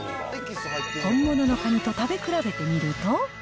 本物のカニと食べ比べてみると。